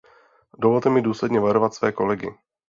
Dovolte mi důsledně varovat své kolegy.